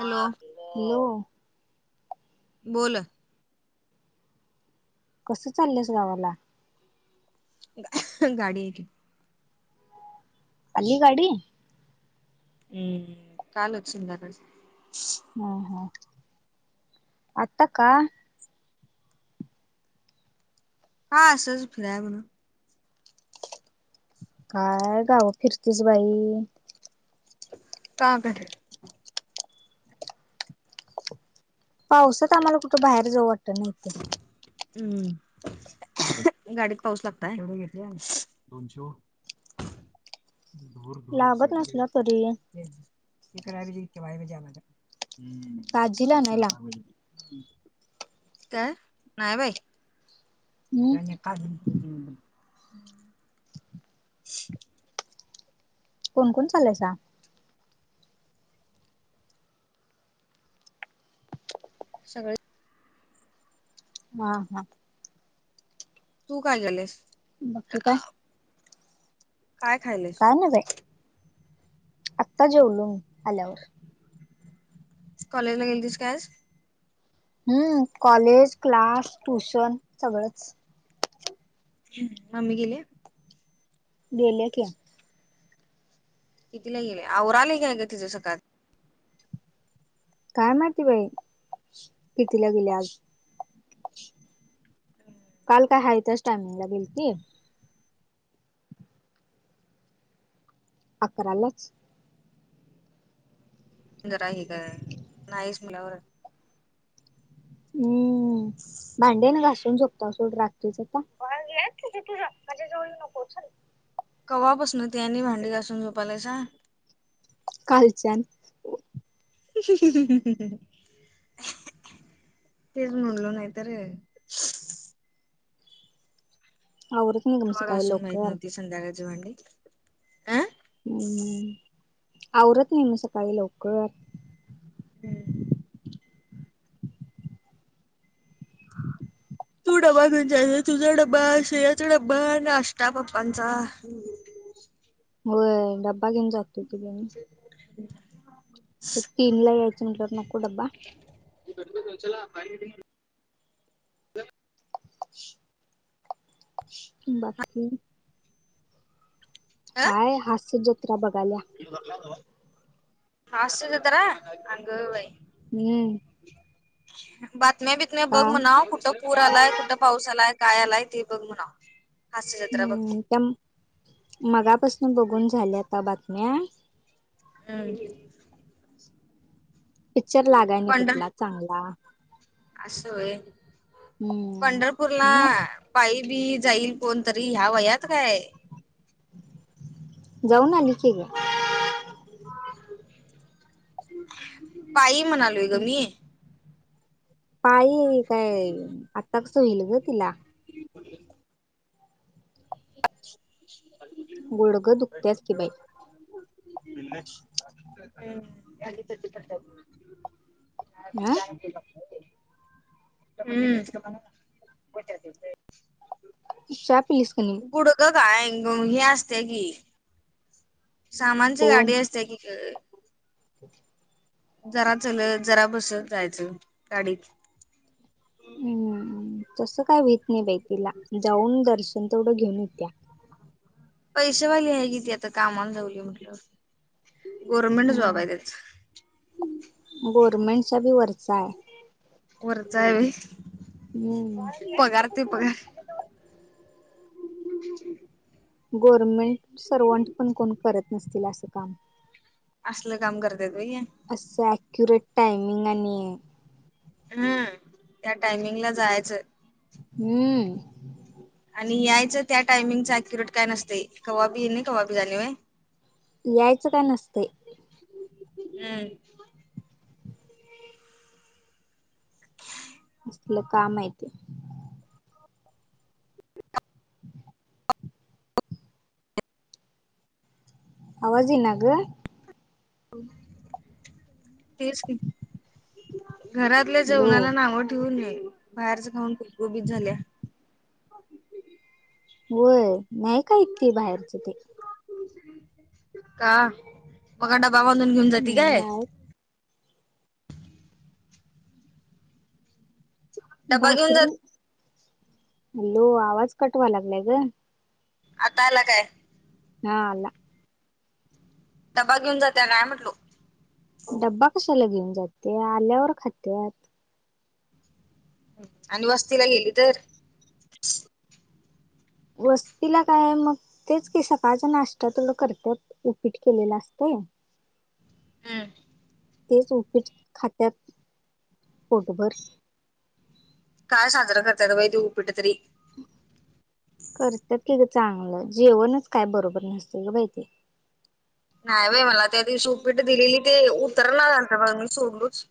Hello! बोलं! कसं चाललीयास गावाला? गाडी हाय की. आली गाडी? हम्मं कालचं संध्या काळी. हा हा, आत्ता का? हां असंच फिराय म्हणून. कायं गावं फिरतीस बाई! का पावसांत आम्हांला कुठं बाहेर जाऊ वाटतंना हित. हम्मं गाडीत पाऊस लागतो लागत नसला तरी [unintelligible] काजीला आणायला काय नाही बाई! हम्म [unintelligible] कोण कोण चाललायसा? सगळें हां हां! तू कायं केलयस? मगं ठीक हाय. कायं खायले? का नाही बाई आत्ता जेवलो आल्यावर. कॉलेजला गेंलतीस काय आज? हम्म कॉलेज क्लास ट्युशन सगळंच. मम्मी गेली? गेल्या की. कितीला गेल्या आवरायलय काय ग तिज सकाळ काय माहिती बाई कितीला गेली आज! काल काय हाय त्याच टायमिंग ला गेलती. अकरालाच. सुंदर आहे काय नाहीस मुलावर हम्म! भांडेने घासून झोपत सोड रात्रीच आता. कवा पसन ते आणि भांडी घासून झोपायलासा? कालच्यान. तेच म्हणलो नाही तर आवरत नाही ग. मी कवा सकाळी घासून माहीत लवकर नव्हती संध्याकाळची भांडी. अ हम्म आवरत नाही मी सकाळी लवकर. हम्म! तू डबा घेऊन जायच तुझा डबा श्रेयाचा डबा नाष्टा पप्पांचा. हो डबा घेन जातोकी बाई मी. [inaudible] तीन ला यायचं म्हटल्यावर नको डबा? ही [unintelligible] दोनशेला [unintelligible] की. [inaudible] बाकी हाय हास्य जत्रा बघाल्या. [inaudible] हास्य जत्रा अगं बाई. मी हाय की. [inaudible] बातम्या बीतम्या का बघ म्हनाव कुट पूर आलाय, कुठं पाऊस आलाय. काय आलाय ते बघ म्हणाव. हास्य जत्रा बघते हम्म, त्या मगापासून बघून झाल्या आता बातम्या. हम्म. पिक्चर लागाय नाही पंढर कुठला चांगला. असं होय. पंढरपूरला हम्म मग पाय बीई जाईल कोण तरी ह्या वयात काय? जाऊन आली की गं. [inaudible] पायी म्हणालोय गं मी. पायी काय आत्ता कसं होईल गं तिला? पडलेत. बशिवलंय. गुडघ दुखत्यात की बाई. [inaudible] हम्म, आणि कशी करत्या बघ हा तू. [unintelligible] हम [unintelligible] चहा पीलीस का नी? कुडक कांग हे असते की सामानची कोण गाडी असतिया की गं. जरा चलत, जरा बसत जायचं गाडीत. हम्म, तस काय होईत नाही बाई तिला जाऊन दर्शन तेवढं घेऊन येत्या. पैसेवाली आहे ती आता कामाला जावली म्हटल्यावर गव्हर्नमेंट जॉब आहे त्याचा. गव्हर्नमेंटच्या बी वरचा हाय. वरचा आहे हम्म होय. पगार ते पगार ह् गोरर्मेंट सर्वंट पण कोण करत नसतील आसं काम. असलं काम करत वय ये. असं ऍक्युरेट टायमिंग आणि हम्म त्या टायमिंग ला जायचं. हम्म आणि यायचं त्या टायमिंगचं अक्युरेट काय नसते कवाबी ये नाही कवाबी जाणे वय. यायचं काय नसतय. [inaudible] हम्म लय काम आहेत. [inaudible] हम् [inaudible] आवाज ये नाग. तेचकी घरातल्या हॅलो जेवणाला नाव ठेऊ नये बाहेरच खाऊन गुबगुबीत झाल्या. अ [unintelligible] होय नाही का इतती बाहेरच ते का मग डबा बांधून घेऊन जाते हम्म काय? नाही डबा घेऊन भाकरी जात हॅलो आवाज कट व्हंलागलाय गं. आता आला काय? हा आला. डब्बा घेऊन जातिया काय म्हटलो. डबा कशाला घेऊन जाती आल्यावर खात्यात. आणि वस्तीला गेली तर? वस्तीला काय मग तेच की सकाळच्या नाश्ता तेवढं करतात उपीट केलेलं असतंय. हम्म तेच उपीट खात्यात पोटभर. काय साजर करत्यात बाई ते ऊपिट तरी. करत्यात की गं चांगलं जेवणच काय बरोबर नसतयं गं बाई ते. नाही बाई मला त्या दिवशी उपीठ दिली ते उतरना झालतं बघ मी सोडलोच.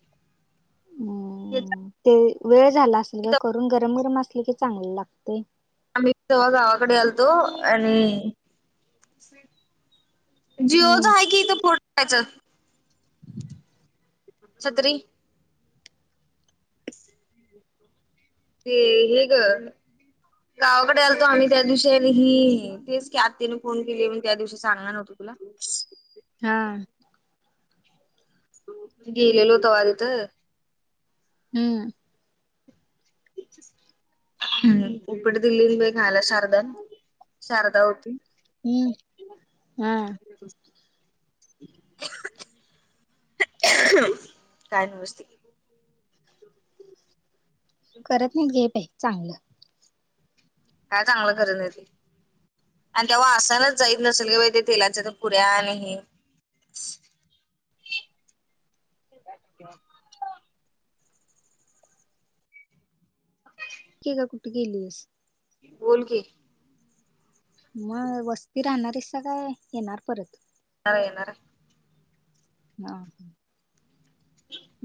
[unintelligible] हम्म ते वेळ झाला असंल गं करून गरम गरम असलं की चांगलं लागतंय. आम्ही तवा गावाकडं यालतो आणि जिओच हम्म आहे कि इथं पोठवायचं. छतरी ते हे गं. [unintelligible] गावाकडं यायलतो आम्ही त्या दिवशी आणि हि तेच कि आतीनं फोन केली त्या दिवशी सांगणार नव्हती ती आता हा. गेलेलो तवा तिथं. हम्म. हम्म, उपीड दिलेली खायला शारदान. शारदा होती. हम्, हा. काय नव्हंच ते करत नाही घे बाई चांगलं. काय चांगलं करत नाहीत. आणि त्या वासानंच जाईत नसंल गं बाई ते तेलाच्या त्या पुऱ्या आणि हे [unintelligible] कि गं कुठं गेलीस. बोल की. मग वस्ती राहणार हाईसा काय? येणार परत. नाही येनारा? हा ह.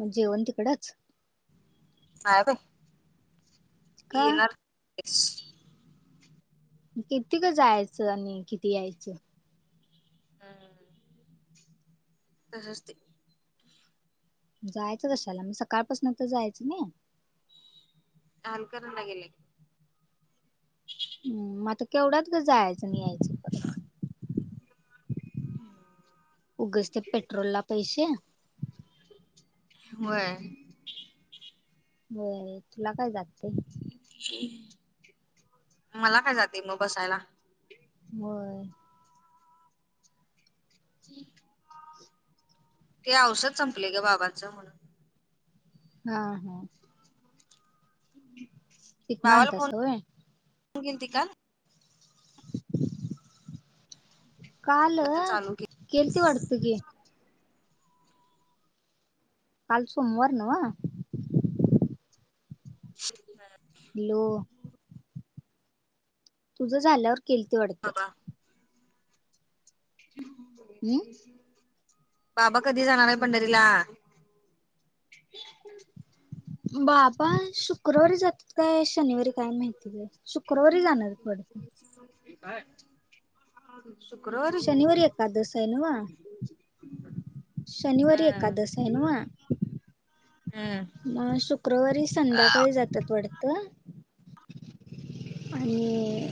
मग जेवण तिकडंच. नाही बाई [inaudible] का येणार [unintelligible] किती गं जायचं आणि किती यायचं? हहह [inaudible] तसंच ते. जायचं कशाला म? सकाळपासून तर जायचं न. काम कर लगेलगे. हम्म, मग आता केवढ्यात गं जायचं आणि यायचं. परत उगच ते पेट्रोल ला पैसे [inaudible] होय. होय तुला काय जाते? [inaudible] मला काय जाते मग बसायला. बर. ठीक. ते औषध संपले ग बाबाचं म्हणून हा हा. हिथंन आणतासा होय? तू गेलती का? काल म आता चालू केली केेलती वाटत ती. आज सोमवार ना व [unintelligible] हॅ लो तुझं झाल्यावर केल ते वाटतं. बाबा हम्म बाबा कधी जाणार आहे पंढरी ला? बाबा, शुक्रवारी जातात काय शनिवारी काय माहिती बा शुक्रवारी जाणार वाटत. शुक्रवारी. असायनाव शनिवारी हम्म एकादश आहेनवा. हम् मग शुक्रवारी संध्याकाळी जात जात्यात वाटत आणि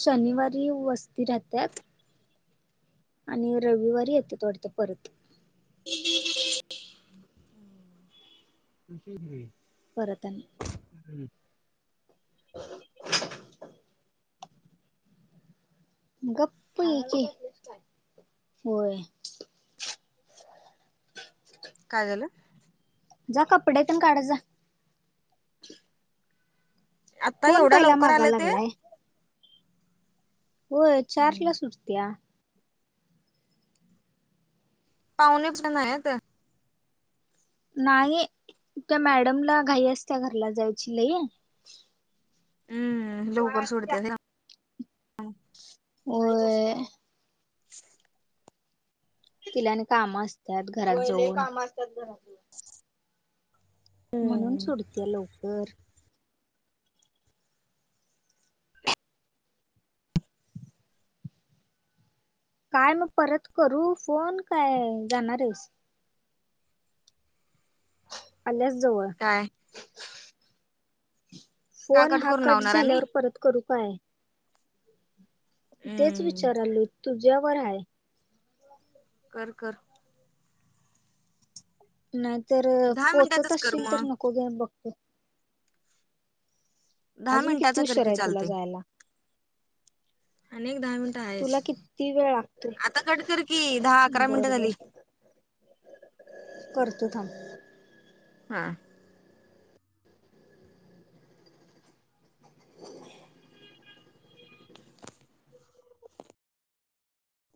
शनिवारी वस्ती राहत्यात. आणि रविवारी येतात वाटत परत. [inaudible] परत नाही हम्म [unintelligible] गप्प हय की, होय काय झालं? जा कपडेेपण काढा जा. आता कोण एवढा पहिला लवकर मागा आलं ते. लागलाय व्हय चारलास सुतट्या. पाहुणेच नाही नाही. त्या मॅडमला घाई असत्या घरला जायची लई हम्म लवकर सोडाते ना. [unintelligible] तिला आणि कामं असतात घरात जवळत म्हणून सोडते लवकर. काय मग परत करू फोन काय जाणार आहेस. आल्यास जवळ, काय का फोन हा करून कट लावणार आणि झाल्यावर परत करू काय. तेच हम्म. विचाराल. तुझ्यावर आहे. कर कर. नाहीत दहा पोचत मिनिटाचाच कर असशील मग तर नको घेऊ न बघतो. दहा अजून किती मिनिटाचा कर उशीर की आहे तुला चालते जायला. आणि एक दहा मिनिटं आहेच तुला किती वेळ लागतो. आता कट कर की दहा अकरा मिनिटं झाली बरोबर करतो थांब. हा [inaudible]